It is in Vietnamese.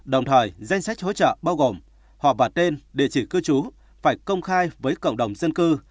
đồng thời danh sách hỗ trợ bao gồm họp và tên địa chỉ cư trú phải công khai với cộng đồng dân cư